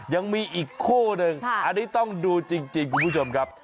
ยังมีอีกคู่หนึ่งอันนี้ต้องดูจริงคุณผู้ชมครับ